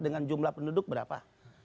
dengan jumlah penduduk berapa